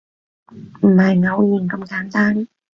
唔係偶然咁簡單